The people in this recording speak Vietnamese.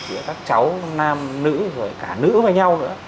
với các cháu nam nữ cả nữ với nhau nữa